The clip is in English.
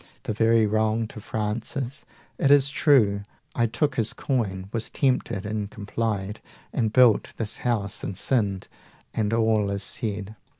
The very wrong to Francis! it is true I took his coin, was tempted and complied, And built this house and sinned, and all is said.